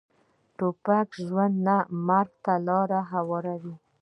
توپک ژوند نه، مرګ ته لاره هواروي.